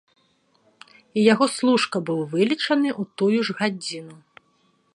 І яго служка быў вылечаны ў тую ж гадзіну.